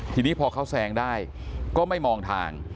ทีนี้พอเขาแซงได้ก็ไม่มองทาง